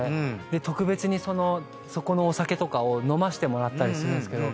特別にそこのお酒とかを飲ませてもらったりするんすけど。